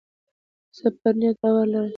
زه پر نیت باور لرم.